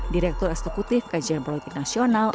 direktur eksekutif kajian politik nasional